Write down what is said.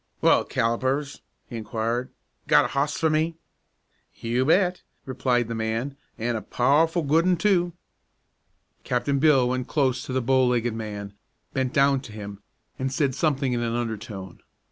"Well, Callipers," he inquired, "got a hoss for me?" "You bet," replied the man, "an' a powerful good un, too." Captain Bill went close to the bow legged man, bent down to him, and said something in an undertone.